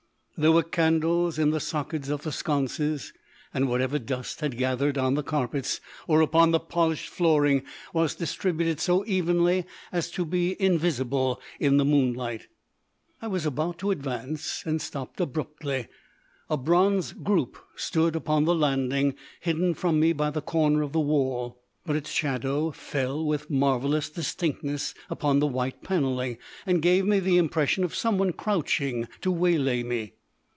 There were candles in the sockets of the sconces, and whatever dust had gathered on the carpets or upon the polished flooring was distributed so evenly as to be invisible in the moonlight. I was about to advance, and stopped abruptly. A bronze group stood upon the landing, hidden from me by the corner of the wall, but its shadow fell with marvellous distinctness upon the white panelling, and gave me the impression of someone crouching to waylay me.